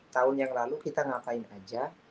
tahun yang lalu kita ngapain aja